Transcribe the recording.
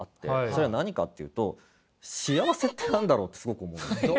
それは何かっていうと幸せって何だろうってすごく思うんですよ。